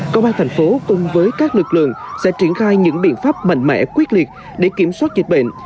công an thành phố cùng với các lực lượng sẽ triển khai những biện pháp mạnh mẽ quyết liệt để kiểm soát dịch bệnh